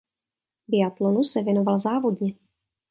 Biatlonu se věnoval závodně.